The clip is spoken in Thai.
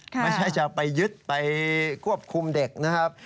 ไม่ใช่จะไปยึดไปควบคุมเด็กนะครับ